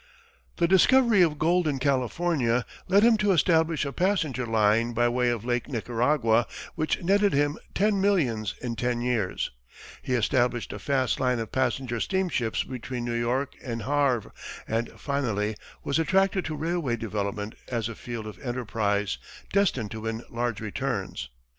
The discovery of gold in California led him to establish a passenger line by way of Lake Nicaragua which netted him ten millions in ten years; he established a fast line of passenger steamships between New York and Havre; and finally was attracted to railway development as a field of enterprise destined to win large returns.